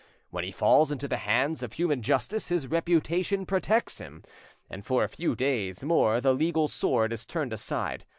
When he falls into the hands of human justice his reputation protects him, and for a few days more the legal sword is turned aside.